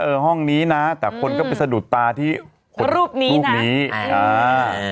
ห้องนี้นะแต่คนก็ไปสะดุดตาที่คนรูปนี้รูปนี้อ่า